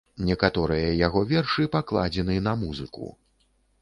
Некаторыя яго вершы пакладзены на музыку.